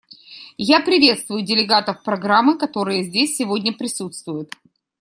Я приветствую делегатов программы, которые здесь сегодня присутствуют.